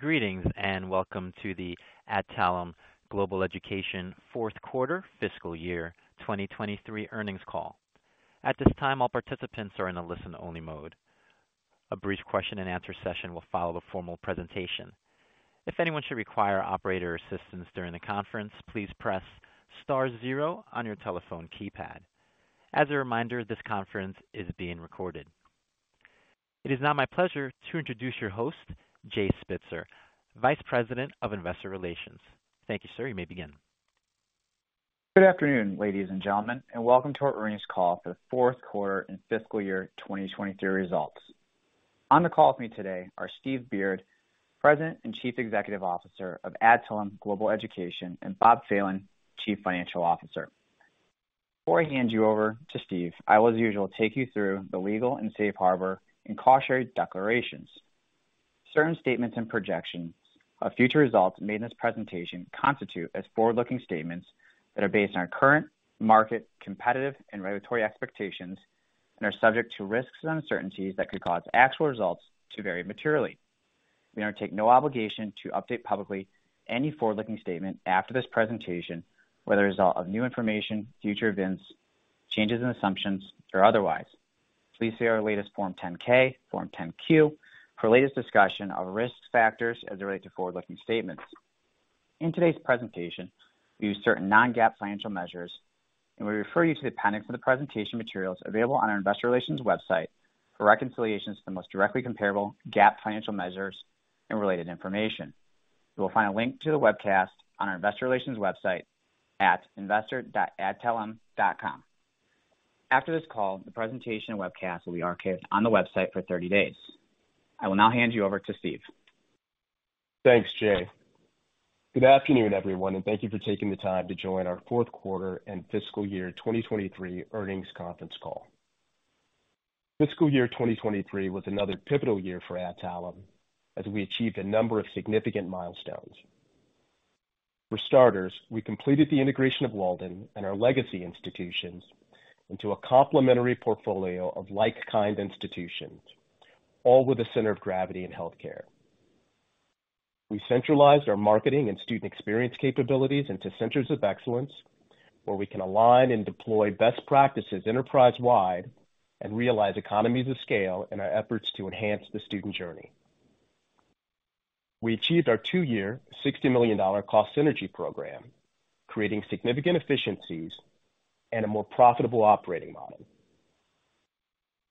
Greetings, and Welcome to the Adtalem Global Education Q4 fiscal year 2023 Earnings Call. At this time, all participants are in a listen-only mode. A brief question and answer session will follow the formal presentation. If anyone should require operator assistance during the conference, please press star zero on your telephone keypad. As a reminder, this conference is being recorded. It is now my pleasure to introduce your host, Jay Spitzer, Vice President of Investor Relations. Thank you, sir. You may begin. Good afternoon, ladies and gentlemen, and welcome to our earnings call for the Q4 and fiscal year 2023 results. On the call with me today are Steve Beard, President and Chief Executive Officer of Adtalem Global Education, and Bob Phelan, Chief Financial Officer. Before I hand you over to Steve, I will, as usual, take you through the legal and Safe Harbor and cautionary declarations. Certain statements and projections of future results made in this presentation constitute as forward-looking statements that are based on our current market, competitive, and regulatory expectations and are subject to risks and uncertainties that could cause actual results to vary materially. We undertake no obligation to update publicly any forward-looking statement after this presentation, whether as a result of new information, future events, changes in assumptions, or otherwise. Please see our latest Form 10-K, Form 10-Q for latest discussion of risk factors as they relate to forward-looking statements. In today's presentation, we use certain non-GAAP financial measures, and we refer you to the appendix of the presentation materials available on our Investor Relations website for reconciliations to the most directly comparable GAAP financial measures and related information. You will find a link to the webcast on our Investor Relations website at investor.adtalem.com. After this call, the presentation and webcast will be archived on the website for 30 days. I will now hand you over to Steve. Thanks, Jay. Good afternoon, everyone, thank you for taking the time to join our Q4 and fiscal year 2023 earnings conference call. Fiscal year 2023 was another pivotal year for Adtalem as we achieved a number of significant milestones. For starters, we completed the integration of Walden and our legacy institutions into a complementary portfolio of like-kind institutions, all with a center of gravity in healthcare. We centralized our marketing and student experience capabilities into centers of excellence, where we can align and deploy best practices enterprise-wide and realize economies of scale in our efforts to enhance the student journey. We achieved our two-year, $60 million cost synergy program, creating significant efficiencies and a more profitable operating model.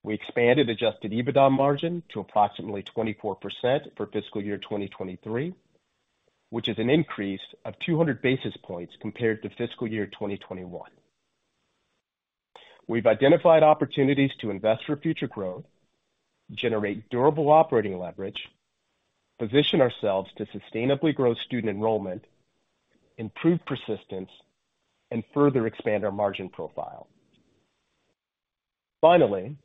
We expanded adjusted EBITDA margin to approximately 24% for fiscal year 2023, which is an increase of 200 basis points compared to fiscal year 2021. We've identified opportunities to invest for future growth, generate durable operating leverage, position ourselves to sustainably grow student enrollment, improve persistence, and further expand our margin profile. Finally,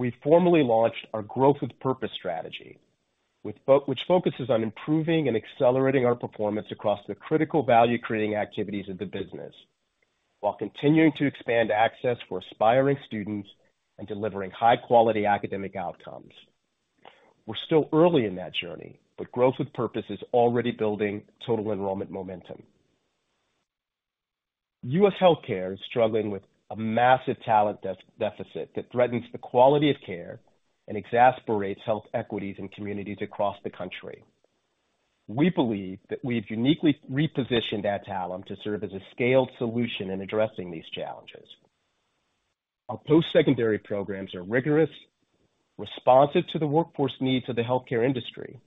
we formally launched our Growth with Purpose strategy, which focuses on improving and accelerating our performance across the critical value-creating activities of the business, while continuing to expand access for aspiring students and delivering high-quality academic outcomes. We're still early in that journey, but Growth with Purpose is already building total enrollment momentum. U.S. healthcare is struggling with a massive talent deficit that threatens the quality of care and exasperates health equities in communities across the country. We believe that we've uniquely repositioned Adtalem to serve as a scaled solution in addressing these challenges. Our post-secondary programs are rigorous, responsive to the workforce needs of the healthcare industry,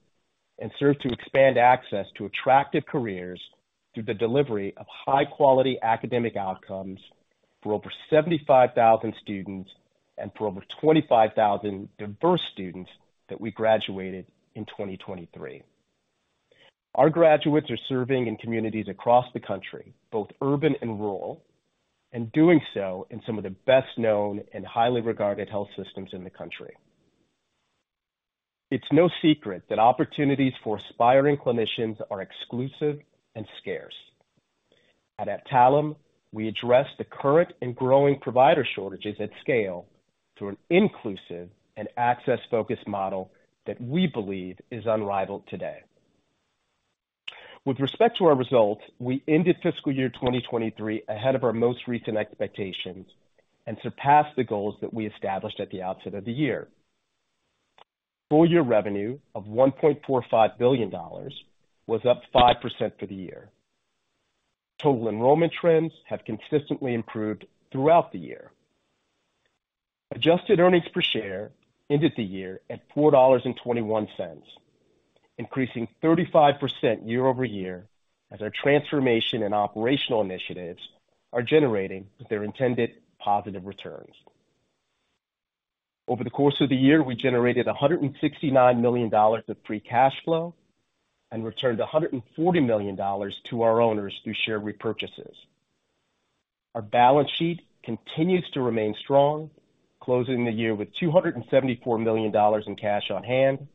and serve to expand access to attractive careers through the delivery of high-quality academic outcomes for over 75,000 students and for over 25,000 diverse students that we graduated in 2023. Our graduates are serving in communities across the country, both urban and rural, and doing so in some of the best-known and highly regarded health systems in the country. It's no secret that opportunities for aspiring clinicians are exclusive and scarce. At Adtalem, we address the current and growing provider shortages at scale through an inclusive and access-focused model that we believe is unrivaled today. With respect to our results, we ended fiscal year 2023 ahead of our most recent expectations and surpassed the goals that we established at the outset of the year. Full-year revenue of $1.45 billion was up 5% for the year. Total enrollment trends have consistently improved throughout the year. Adjusted earnings per share ended the year at $4.21, increasing 35% year-over-year as our transformation and operational initiatives are generating their intended positive returns. Over the course of the year, we generated $169 million of free cash flow and returned $140 million to our owners through share repurchases. Our balance sheet continues to remain strong, closing the year with $274 million in cash on hand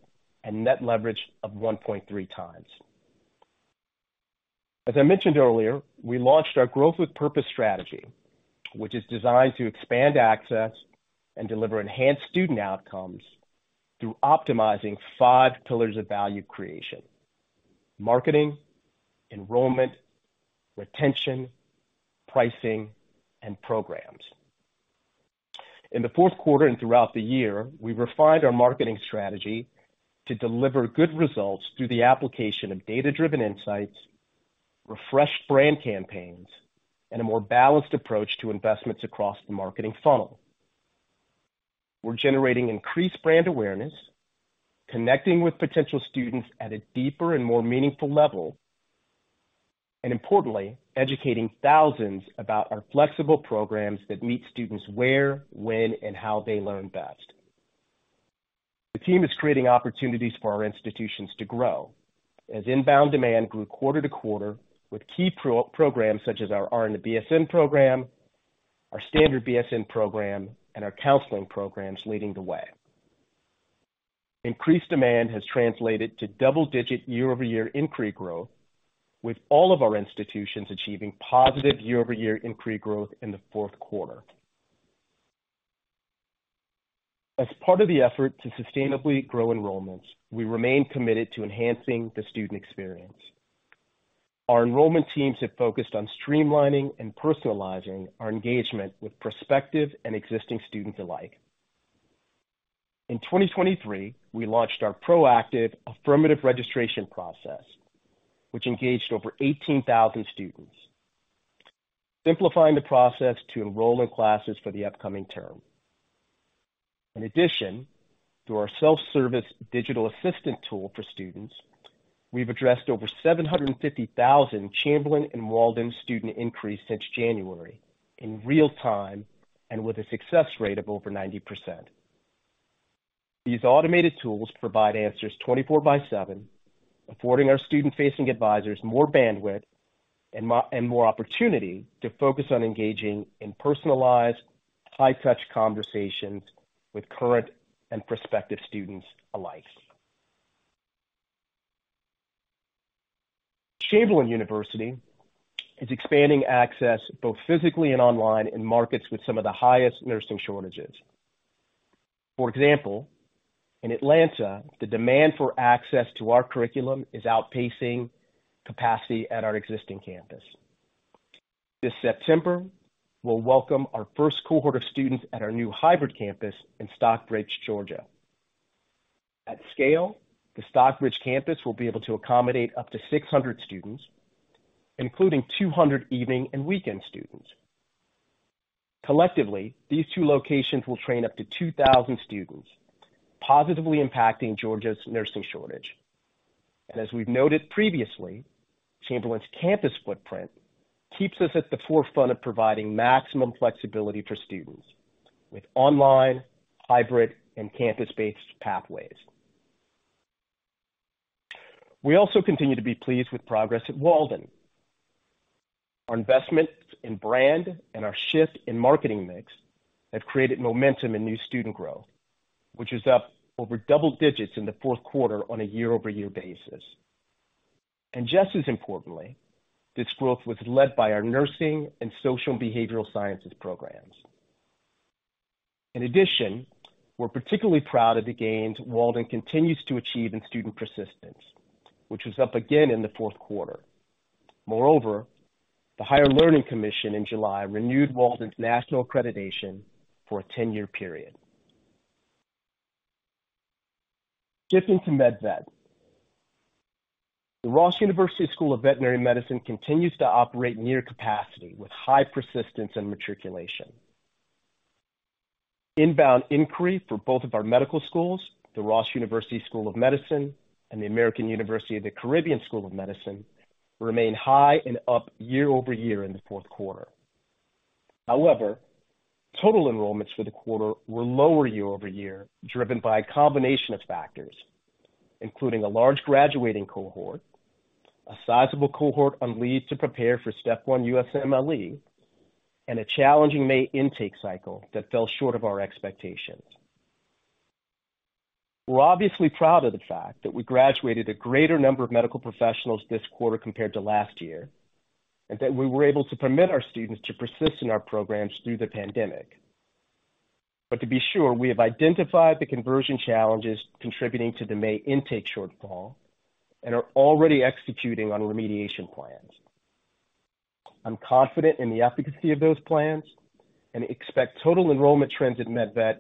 and net leverage of 1.3 times. As I mentioned earlier, we launched our Growth with Purpose strategy, which is designed to expand access and deliver enhanced student outcomes through optimizing five pillars of value creation: marketing, enrollment, retention, pricing, and programs. In the Q4 and throughout the year, we refined our marketing strategy to deliver good results through the application of data-driven insights, refreshed brand campaigns, and a more balanced approach to investments across the marketing funnel. We're generating increased brand awareness, connecting with potential students at a deeper and more meaningful level, and importantly, educating thousands about our flexible programs that meet students where, when, and how they learn best. The team is creating opportunities for our institutions to grow as inbound demand grew quarter to quarter, with key pro- programs such as our RN to BSN program, our standard BSN program, and our counseling programs leading the way. Increased demand has translated to double-digit year-over-year inquiry growth, with all of our institutions achieving positive year-over-year inquiry growth in the Q4. As part of the effort to sustainably grow enrollments, we remain committed to enhancing the student experience. Our enrollment teams have focused on streamlining and personalizing our engagement with prospective and existing students alike. In 2023, we launched our proactive affirmative registration process, which engaged over 18,000 students, simplifying the process to enroll in classes for the upcoming term. In addition, through our self-service digital assistant tool for students, we've addressed over 750,000 Chamberlain and Walden student inquiries since January in real time and with a success rate of over 90%. These automated tools provide answers 24/7, affording our student-facing advisors more bandwidth and more opportunity to focus on engaging in personalized, high-touch conversations with current and prospective students alike. Chamberlain University is expanding access, both physically and online, in markets with some of the highest nursing shortages. For example, in Atlanta, the demand for access to our curriculum is outpacing capacity at our existing campus. This September, we'll welcome our first cohort of students at our new hybrid campus in Stockbridge, Georgia. At scale, the Stockbridge campus will be able to accommodate up to 600 students, including 200 evening and weekend students. Collectively, these two locations will train up to 2,000 students, positively impacting Georgia's nursing shortage. As we've noted previously, Chamberlain's campus footprint keeps us at the forefront of providing maximum flexibility for students with online, hybrid, and campus-based pathways. We also continue to be pleased with progress at Walden. Our investments in brand and our shift in marketing mix have created momentum in new student growth, which is up over double digits in the Q4 on a year-over-year basis. Just as importantly, this growth was led by our nursing and social and behavioral sciences programs. In addition, we're particularly proud of the gains Walden continues to achieve in student persistence, which was up again in the Q4. Moreover, the Higher Learning Commission in July renewed Walden's national accreditation for a 10-year period. Shifting to MedVet, the Ross University School of Veterinary Medicine continues to operate near capacity, with high persistence and matriculation. Inbound inquiry for both of our medical schools, the Ross University School of Medicine and the American University of the Caribbean School of Medicine, remained high and up year-over-year in the Q4. However, total enrollments for the quarter were lower year-over-year, driven by a combination of factors, including a large graduating cohort, a sizable cohort on leave to prepare for Step 1 USMLE, and a challenging May intake cycle that fell short of our expectations. We're obviously proud of the fact that we graduated a greater number of medical professionals this quarter compared to last year, and that we were able to permit our students to persist in our programs through the pandemic. To be sure, we have identified the conversion challenges contributing to the May intake shortfall and are already executing on remediation plans. I'm confident in the efficacy of those plans and expect total enrollment trends at MedVet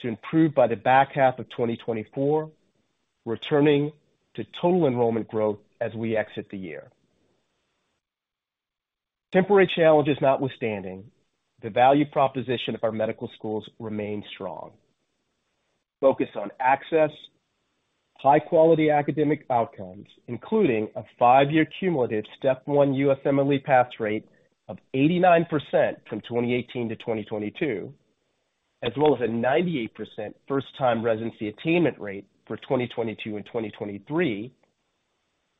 to improve by the back half of 2024, returning to total enrollment growth as we exit the year. Temporary challenges notwithstanding, the value proposition of our medical schools remains strong. Focused on access, high-quality academic outcomes, including a five year cumulative Step 1 USMLE pass rate of 89% from 2018-2022, as well as a 98% first-time residency attainment rate for 2022 and 2023,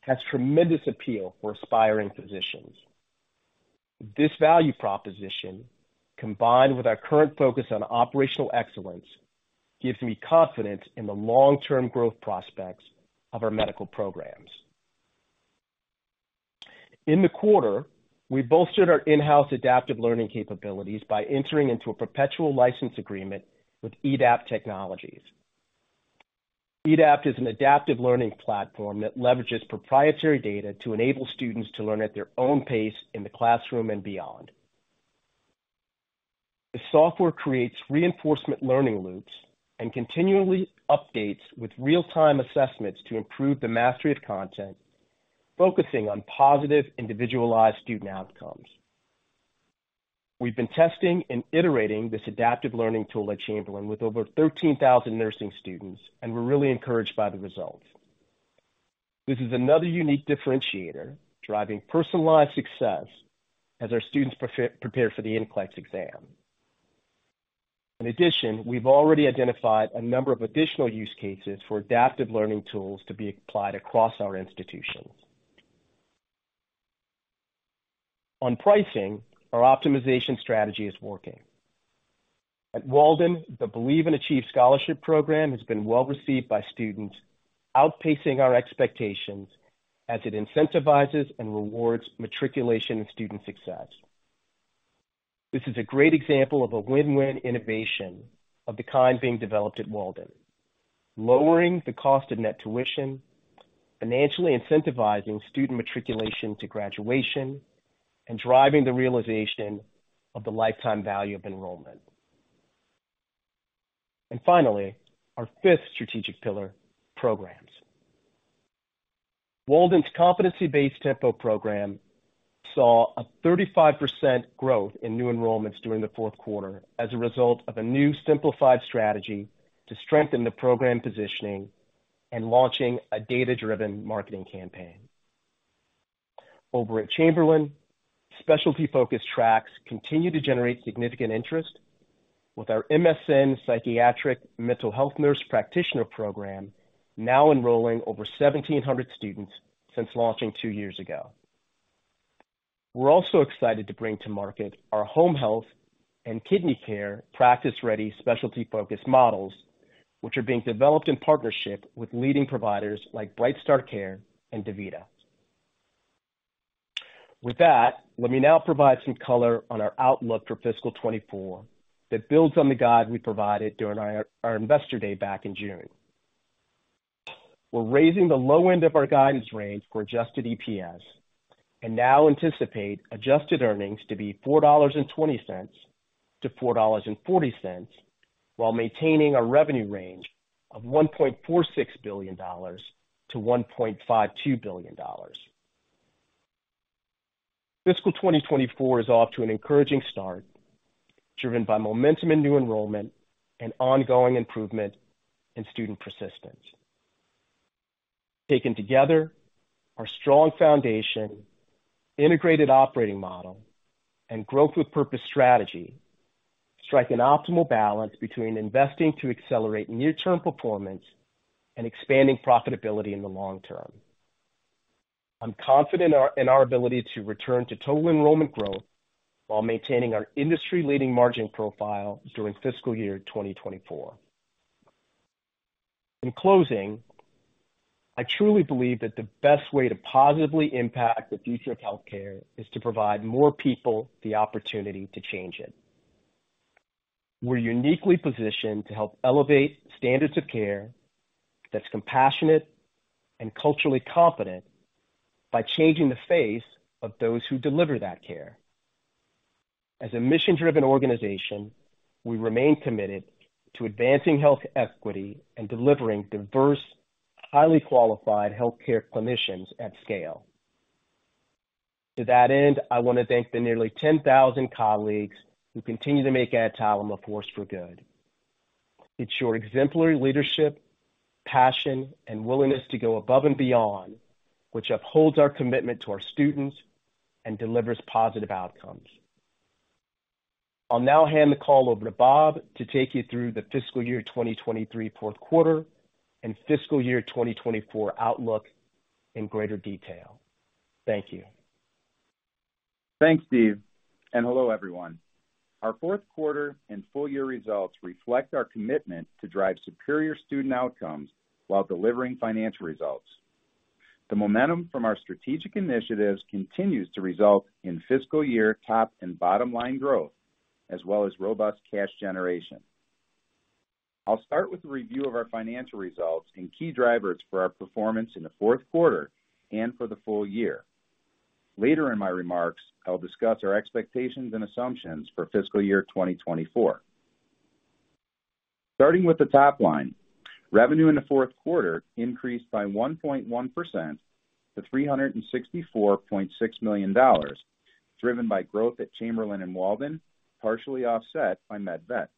has tremendous appeal for aspiring physicians. This value proposition, combined with our current focus on operational excellence, gives me confidence in the long-term growth prospects of our medical programs. In the quarter, we bolstered our in-house adaptive learning capabilities by entering into a perpetual license agreement with EDAPT Technologies. EDAPT is an adaptive learning platform that leverages proprietary data to enable students to learn at their own pace in the classroom and beyond. The software creates reinforcement learning loops and continually updates with real-time assessments to improve the mastery of content, focusing on positive, individualized student outcomes. We've been testing and iterating this adaptive learning tool at Chamberlain with over 13,000 nursing students, and we're really encouraged by the results. This is another unique differentiator, driving personalized success as our students prepare for the NCLEX exam. In addition, we've already identified a number of additional use cases for adaptive learning tools to be applied across our institutions. On pricing, our optimization strategy is working. At Walden, the Believe & Achieve Scholarship Program has been well received by students, outpacing our expectations as it incentivizes and rewards matriculation and student success. This is a great example of a win-win innovation of the kind being developed at Walden, lowering the cost of net tuition, financially incentivizing student matriculation to graduation, and driving the realization of the lifetime value of enrollment. Finally, our fifth strategic pillar, programs. Walden's competency-based Tempo Learning program saw a 35% growth in new enrollments during the Q4 as a result of a new simplified strategy to strengthen the program positioning and launching a data-driven marketing campaign. Over at Chamberlain, specialty focus tracks continue to generate significant interest, with our MSN Psychiatric-Mental Health Nurse Practitioner program now enrolling over 1,700 students since launching two years ago. We're also excited to bring to market our home health and kidney care practice-ready, specialty-focused models, which are being developed in partnership with leading providers like BrightStar Care and DaVita. With that, let me now provide some color on our outlook for fiscal 2024 that builds on the guide we provided during our Investor Day back in June. We're raising the low end of our guidance range for adjusted EPS and now anticipate adjusted earnings to be $4.20 to $4.40, while maintaining a revenue range of $1.46 billion to $1.52 billion. Fiscal 2024 is off to an encouraging start, driven by momentum in new enrollment and ongoing improvement in student persistence. Taken together, our strong foundation, integrated operating model, and Growth with Purpose strategy strike an optimal balance between investing to accelerate near-term performance and expanding profitability in the long term. I'm confident in our ability to return to total enrollment growth while maintaining our industry-leading margin profile during fiscal year 2024. In closing, I truly believe that the best way to positively impact the future of healthcare is to provide more people the opportunity to change it. We're uniquely positioned to help elevate standards of care that's compassionate and culturally competent by changing the face of those who deliver that care. As a mission-driven organization, we remain committed to advancing health equity and delivering diverse, highly qualified healthcare clinicians at scale. To that end, I want to thank the nearly 10,000 colleagues who continue to make Adtalem a force for good. It's your exemplary leadership, passion, and willingness to go above and beyond, which upholds our commitment to our students and delivers positive outcomes. I'll now hand the call over to Bob to take you through the fiscal year 2023 Q4 and fiscal year 2024 outlook in greater detail. Thank you. Thanks, Steve. Hello, everyone. Our Q4 and full year results reflect our commitment to drive superior student outcomes while delivering financial results. The momentum from our strategic initiatives continues to result in fiscal year top and bottom line growth, as well as robust cash generation. I'll start with a review of our financial results and key drivers for our performance in the Q4 and for the full year. Later in my remarks, I'll discuss our expectations and assumptions for fiscal year 2024. Starting with the top line, revenue in the Q4 increased by 1.1% to $364.6 million, driven by growth at Chamberlain and Walden, partially offset by MedVet.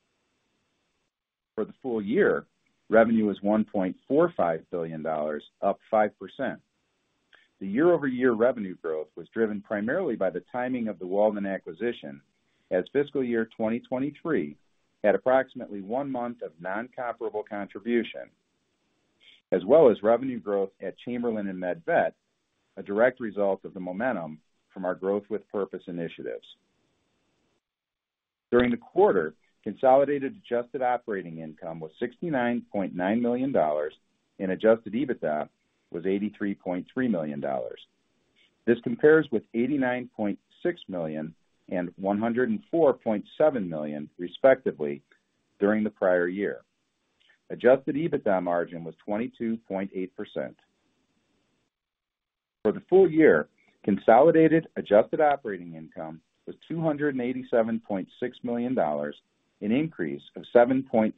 For the full year, revenue was $1.45 billion, up 5%. The year-over-year revenue growth was driven primarily by the timing of the Walden acquisition, as fiscal year 2023 had approximately 1 month of non-comparable contribution, as well as revenue growth at Chamberlain and MedVet, a direct result of the momentum from our Growth with Purpose initiatives. During the quarter, consolidated adjusted operating income was $69.9 million, and Adjusted EBITDA was $83.3 million. This compares with $89.6 million and $104.7 million, respectively, during the prior year. Adjusted EBITDA margin was 22.8%. For the full year, consolidated adjusted operating income was $287.6 million, an increase of 7.5%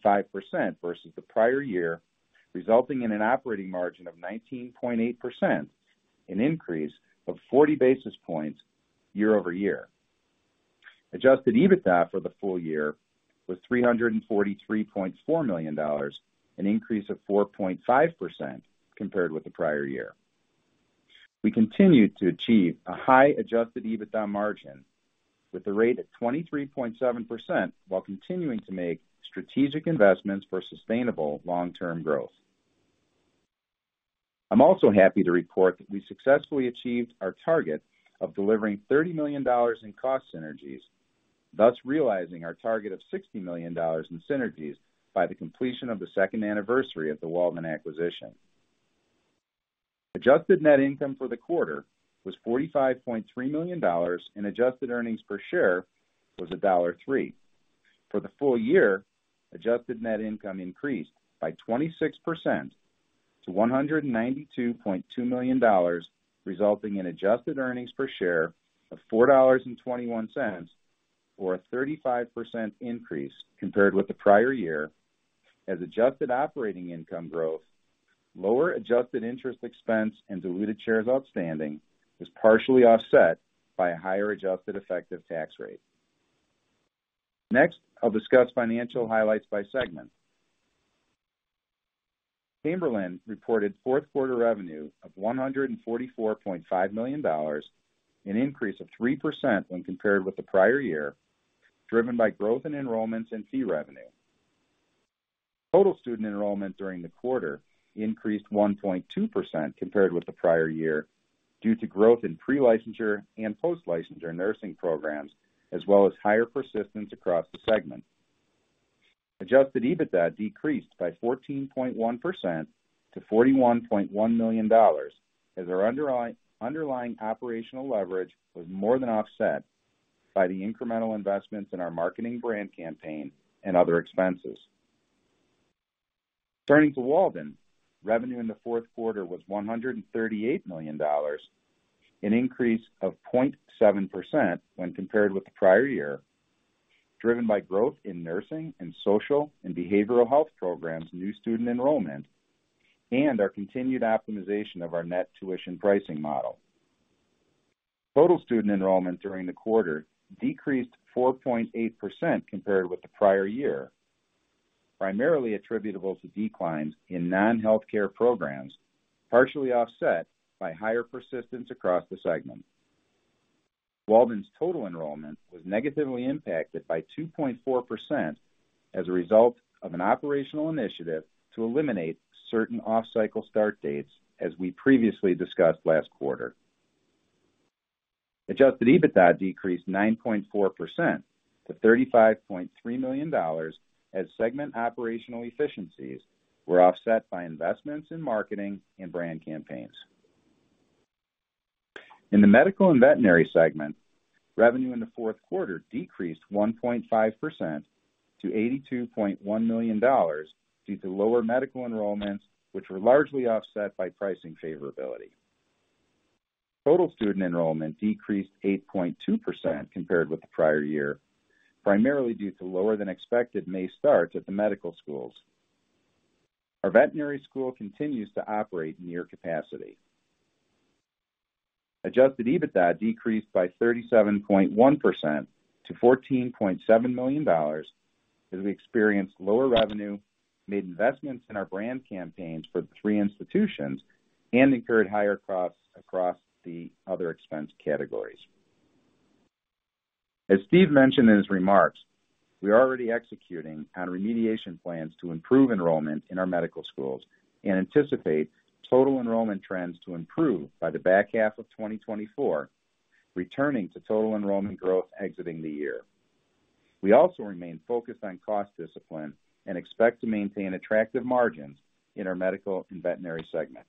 versus the prior year, resulting in an operating margin of 19.8%, an increase of 40 basis points year-over-year. Adjusted EBITDA for the full year was $343.4 million, an increase of 4.5% compared with the prior year. We continued to achieve a high adjusted EBITDA margin with a rate of 23.7%, while continuing to make strategic investments for sustainable long-term growth. I'm also happy to report that we successfully achieved our target of delivering $30 million in cost synergies, thus realizing our target of $60 million in synergies by the completion of the second anniversary of the Walden acquisition. Adjusted net income for the quarter was $45.3 million, and adjusted earnings per share was $1.03. For the full year, adjusted net income increased by 26% to $192.2 million, resulting in adjusted earnings per share of $4.21, or a 35% increase compared with the prior year, as adjusted operating income growth, lower adjusted interest expense and diluted shares outstanding was partially offset by a higher adjusted effective tax rate. Next, I'll discuss financial highlights by segment. Chamberlain reported Q4 revenue of $144.5 million, an increase of 3% when compared with the prior year, driven by growth in enrollments and fee revenue. Total student enrollment during the quarter increased 1.2% compared with the prior year, due to growth in pre-licensure and post-licensure nursing programs, as well as higher persistence across the segment. Adjusted EBITDA decreased by 14.1% to $41.1 million, as our underlying operational leverage was more than offset by the incremental investments in our marketing brand campaign and other expenses. Turning to Walden, revenue in the Q4 was $138 million, an increase of 0.7% when compared with the prior year, driven by growth in nursing and social and behavioral health programs, new student enrollment, and our continued optimization of our net tuition pricing model. Total student enrollment during the quarter decreased 4.8% compared with the prior year, primarily attributable to declines in non-healthcare programs, partially offset by higher persistence across the segment. Walden's total enrollment was negatively impacted by 2.4% as a result of an operational initiative to eliminate certain off-cycle start dates, as we previously discussed last quarter. Adjusted EBITDA decreased 9.4% to $35.3 million, as segment operational efficiencies were offset by investments in marketing and brand campaigns. In the Medical and Veterinary segment, revenue in the Q4 decreased 1.5% to $82.1 million due to lower medical enrollments, which were largely offset by pricing favorability. Total student enrollment decreased 8.2% compared with the prior year, primarily due to lower than expected May starts at the medical schools. Our veterinary school continues to operate near capacity. Adjusted EBITDA decreased by 37.1% to $14.7 million, as we experienced lower revenue, made investments in our brand campaigns for the three institutions, and incurred higher costs across the other expense categories. As Steve mentioned in his remarks, we are already executing on remediation plans to improve enrollment in our medical schools and anticipate total enrollment trends to improve by the back half of 2024, returning to total enrollment growth exiting the year. We also remain focused on cost discipline and expect to maintain attractive margins in our Medical and Veterinary Segment.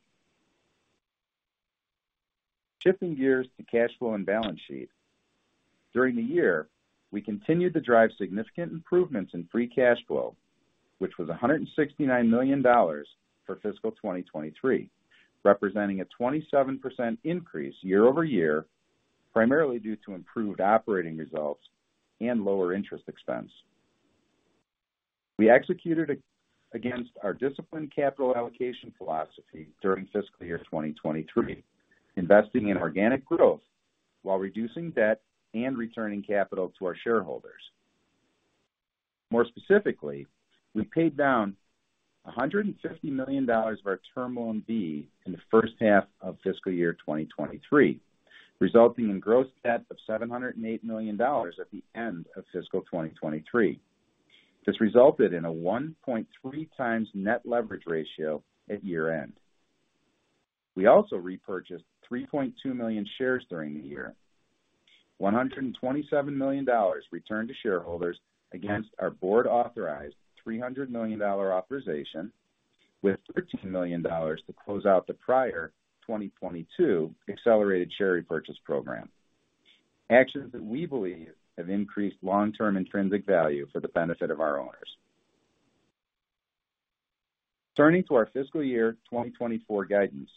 Shifting gears to cash flow and balance sheet. During the year, we continued to drive significant improvements in free cash flow, which was $169 million for fiscal 2023, representing a 27% increase year-over-year, primarily due to improved operating results and lower interest expense. We executed against our disciplined capital allocation philosophy during fiscal year 2023, investing in organic growth while reducing debt and returning capital to our shareholders. More specifically, we paid down $150 million of our Term Loan B in the first half of fiscal year 2023, resulting in gross debt of $708 million at the end of fiscal 2023. This resulted in a 1.3x net leverage ratio at year-end. We also repurchased 3.2 million shares during the year. $127 million returned to shareholders against our board-authorized $300 million authorization, with $13 million to close out the prior 2022 accelerated share repurchase program, actions that we believe have increased long-term intrinsic value for the benefit of our owners. Turning to our fiscal year 2024 guidance.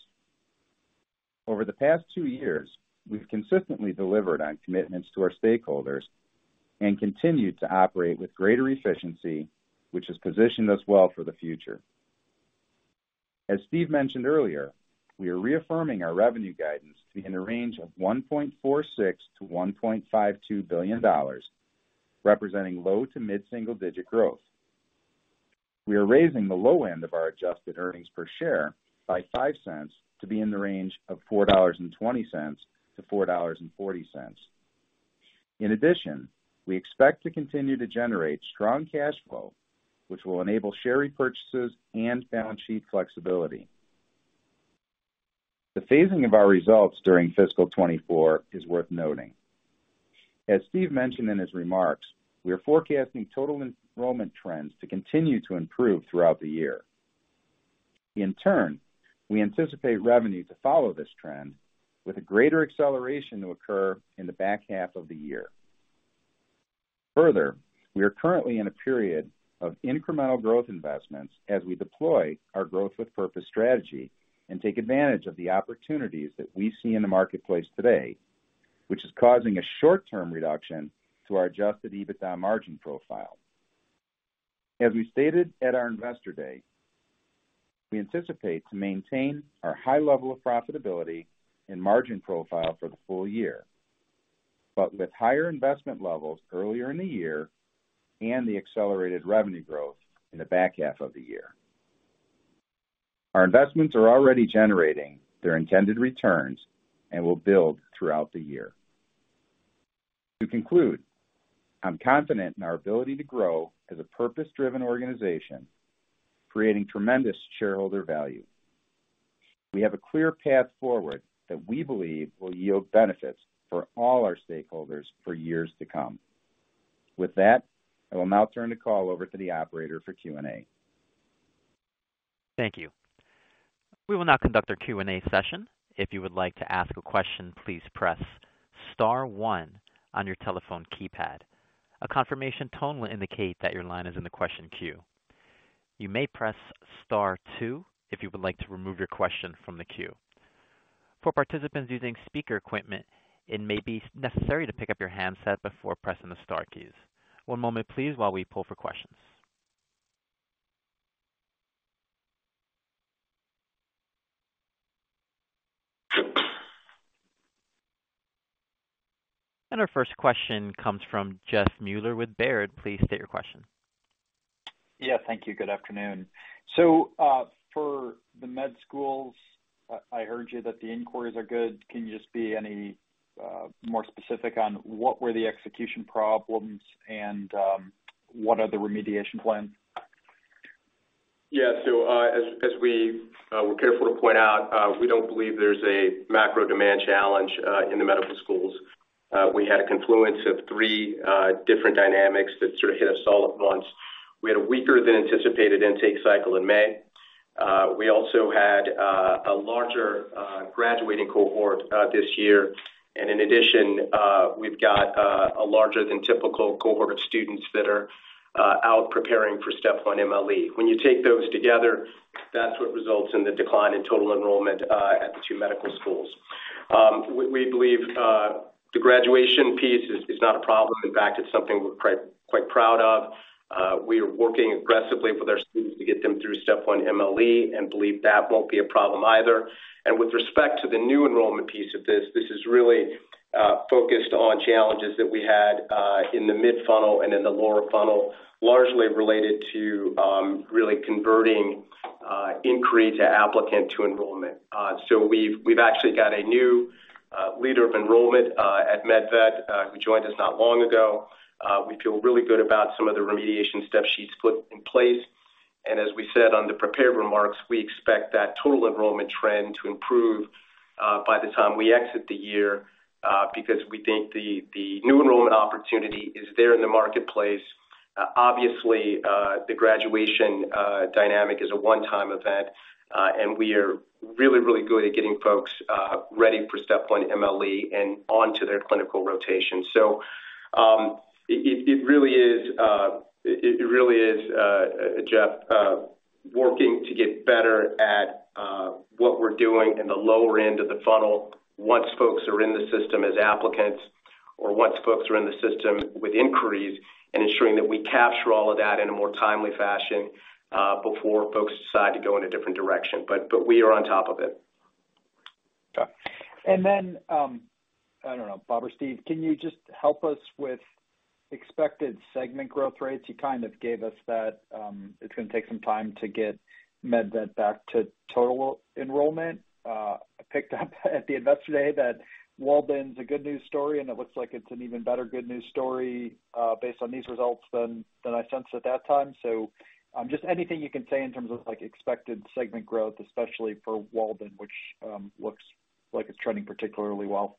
Over the past two years, we've consistently delivered on commitments to our stakeholders and continued to operate with greater efficiency, which has positioned us well for the future. As Steve mentioned earlier, we are reaffirming our revenue guidance to be in the range of $1.46 billion to $1.52 billion, representing low to mid-single-digit growth. We are raising the low end of our adjusted earnings per share by $0.05 to be in the range of $4.20 to $4.40. In addition, we expect to continue to generate strong cash flow, which will enable share repurchases and balance sheet flexibility. The phasing of our results during fiscal 2024 is worth noting. As Steve mentioned in his remarks, we are forecasting total enrollment trends to continue to improve throughout the year. In turn, we anticipate revenue to follow this trend with a greater acceleration to occur in the back half of the year. Further, we are currently in a period of incremental growth investments as we deploy our Growth with Purpose strategy and take advantage of the opportunities that we see in the marketplace today, which is causing a short-term reduction to our adjusted EBITDA margin profile. As we stated at our Investor Day, we anticipate to maintain our high level of profitability and margin profile for the full year, but with higher investment levels earlier in the year and the accelerated revenue growth in the back half of the year. Our investments are already generating their intended returns and will build throughout the year. To conclude, I'm confident in our ability to grow as a purpose-driven organization, creating tremendous shareholder value. We have a clear path forward that we believe will yield benefits for all our stakeholders for years to come. With that, I will now turn the call over to the operator for Q&A. Thank you. We will now conduct our Q&A session. If you would like to ask a question, please press star one on your telephone keypad. A confirmation tone will indicate that your line is in the question queue. You may press star two if you would like to remove your question from the queue. For participants using speaker equipment, it may be necessary to pick up your handset before pressing the star keys. One moment please, while we pull for questions. Our first question comes from Jeff Meuler with Baird. Please state your question. Yeah, thank you. Good afternoon. For the med schools, I, I heard you that the inquiries are good. Can you just be any more specific on what were the execution problems and what are the remediation plans? Yeah, as, as we, we're careful to point out, we don't believe there's a macro demand challenge, in the medical schools. We had a confluence of three different dynamics that sort of hit us all at once. We had a weaker than anticipated intake cycle in May. We also had, a larger, graduating cohort, this year. In addition, we've got, a larger than typical cohort of students that are, out preparing for Step 1 MLE. When you take those together, that's what results in the decline in total enrollment, at the two medical schools. We, we believe, the graduation piece is, is not a problem. In fact, it's something we're quite, quite proud of. We are working aggressively with our students to get them through Step 1 MLE and believe that won't be a problem either. With respect to the new enrollment piece of this, this is really focused on challenges that we had in the mid-funnel and in the lower funnel, largely related to really converting inquiry to applicant to enrollment. We've, we've actually got a new leader of enrollment at MedVet who joined us not long ago. We feel really good about some of the remediation steps she's put in place. As we said on the prepared remarks, we expect that total enrollment trend to improve by the time we exit the year because we think the new enrollment opportunity is there in the marketplace. Obviously, the graduation dynamic is a one-time event, and we are really, really good at getting folks ready for Step 1 MLE and onto their clinical rotations. It, it really is, Jeff, working to get better at what we're doing in the lower end of the funnel once folks are in the system as applicants, or once folks are in the system with inquiries, and ensuring that we capture all of that in a more timely fashion, before folks decide to go in a different direction. But we are on top of it. Got it. I don't know, Bob or Steve, can you just help us with expected segment growth rates? You kind of gave us that, it's gonna take some time to get MedVet back to total enrollment. I picked up at the Investor Day that Walden's a good news story. It looks like it's an even better good news story, based on these results than, than I sensed at that time. Just anything you can say in terms of, like, expected segment growth, especially for Walden, which looks like it's trending particularly well?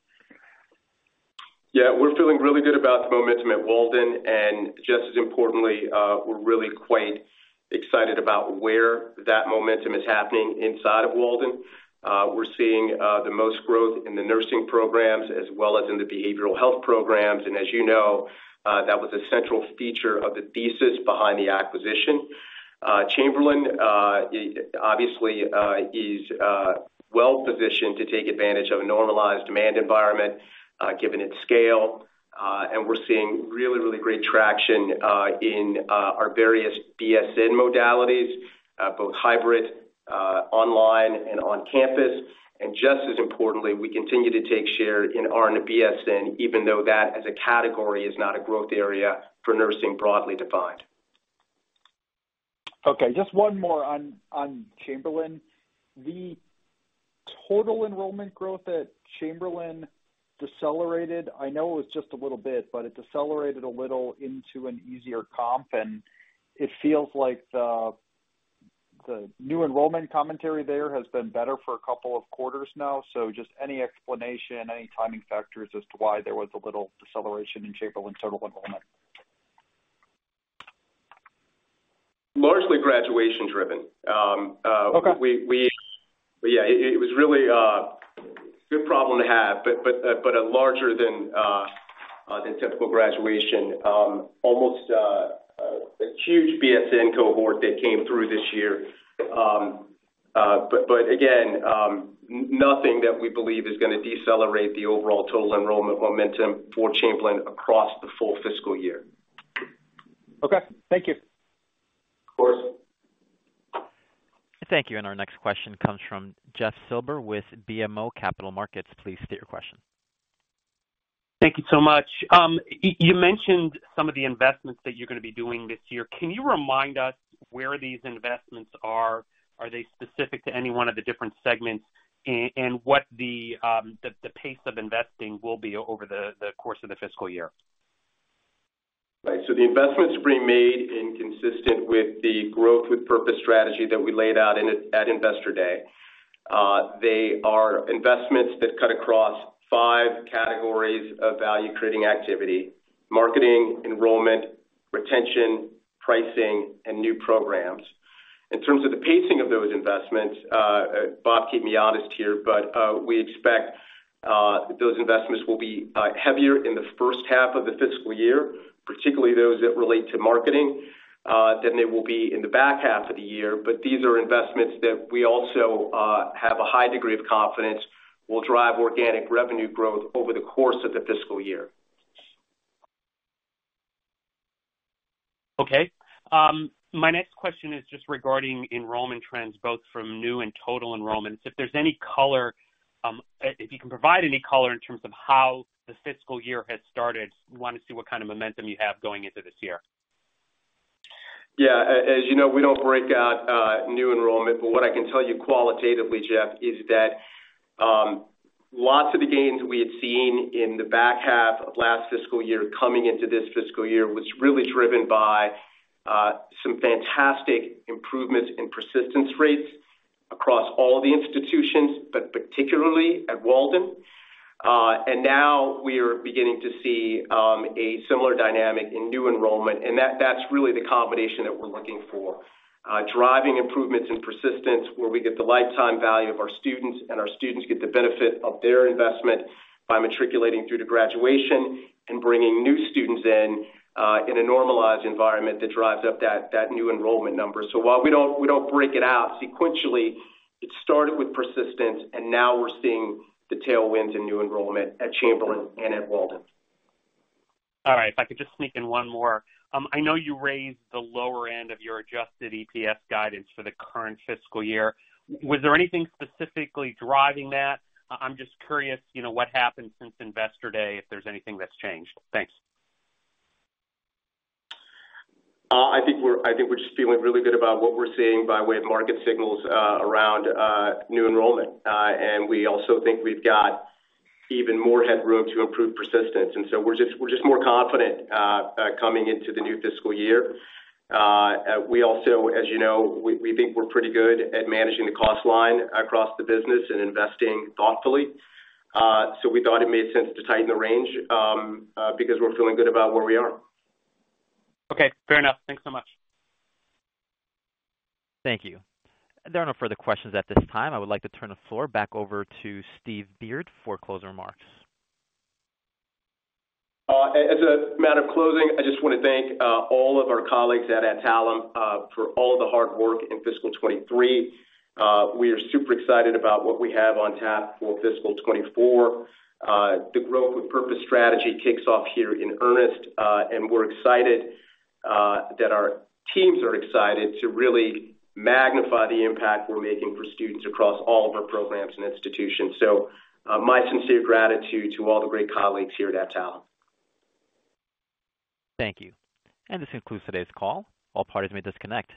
Yeah, we're feeling really good about the momentum at Walden. Just as importantly, we're really quite excited about where that momentum is happening inside of Walden. We're seeing the most growth in the nursing programs as well as in the behavioral health programs. As you know, that was a central feature of the thesis behind the acquisition. Chamberlain, obviously, is well positioned to take advantage of a normalized demand environment given its scale. We're seeing really, really great traction in our various BSN modalities, both hybrid, online and on campus. Just as importantly, we continue to take share in RN to BSN, even though that, as a category, is not a growth area for nursing, broadly defined. Okay, just one more on Chamberlain. The total enrollment growth at Chamberlain decelerated. I know it was just a little bit, but it decelerated a little into an easier comp, and it feels like the new enrollment commentary there has been better for a couple of quarters now. Just any explanation, any timing factors as to why there was a little deceleration in Chamberlain total enrollment? Largely graduation driven. Okay. We, Yeah, it was really a good problem to have, but a larger than than typical graduation. Almost a huge BSN cohort that came through this year. But again, nothing that we believe is gonna decelerate the overall total enrollment momentum for Chamberlain across the full fiscal year. Okay, thank you. Of course. Thank you. Our next question comes from Jeff Silber with BMO Capital Markets. Please state your question. Thank you so much. You mentioned some of the investments that you're gonna be doing this year. Can you remind us where these investments are? Are they specific to any one of the different segments, and what the pace of investing will be over the course of the fiscal year? Right. The investments we made in consistent with the Growth with Purpose strategy that we laid out in, at Investor Day. They are investments that cut across five categories of value-creating activity: marketing, enrollment, retention, pricing, and new programs. In terms of the pacing of those investments, Bob, keep me honest here, but we expect those investments will be heavier in the first half of the fiscal year, particularly those that relate to marketing, than they will be in the back half of the year. These are investments that we also have a high degree of confidence will drive organic revenue growth over the course of the fiscal year. Okay. My next question is just regarding enrollment trends, both from new and total enrollments. If there's any color, if you can provide any color in terms of how the fiscal year has started, we want to see what kind of momentum you have going into this year. Yeah. As, as you know, we don't break out new enrollment, but what I can tell you qualitatively, Jeff, is that lots of the gains we had seen in the back half of last fiscal year coming into this fiscal year was really driven by some fantastic improvements in persistence rates across all the institutions, but particularly at Walden. Now we are beginning to see a similar dynamic in new enrollment, and that, that's really the combination that we're looking for. Driving improvements in persistence, where we get the lifetime value of our students, and our students get the benefit of their investment by matriculating through to graduation and bringing new students in, in a normalized environment that drives up that, that new enrollment number. While we don't break it out sequentially, it started with persistence, and now we're seeing the tailwinds in new enrollment at Chamberlain and at Walden. All right. If I could just sneak in one more. I know you raised the lower end of your adjusted EPS guidance for the current fiscal year. Was there anything specifically driving that? I'm just curious, you know, what happened since Investor Day, if there's anything that's changed. Thanks. I think we're, I think we're just feeling really good about what we're seeing by way of market signals, around new enrollment. We also think we've got even more headroom to improve persistence, and so we're just, we're just more confident, coming into the new fiscal year. We also, as you know, we, we think we're pretty good at managing the cost line across the business and investing thoughtfully. We thought it made sense to tighten the range, because we're feeling good about where we are. Okay, fair enough. Thanks so much. Thank you. There are no further questions at this time. I would like to turn the floor back over to Steve Beard for closing remarks. As a matter of closing, I just want to thank all of our colleagues at Adtalem for all the hard work in fiscal 2023. We are super excited about what we have on tap for fiscal 2024. The Growth with Purpose strategy kicks off here in earnest, and we're excited that our teams are excited to really magnify the impact we're making for students across all of our programs and institutions. My sincere gratitude to all the great colleagues here at Adtalem. Thank you. This concludes today's call. All parties may disconnect.